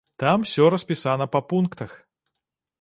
Там усё распісана па пунктах.